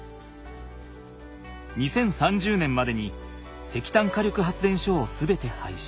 ２０３０年までに石炭火力発電所を全てはいし。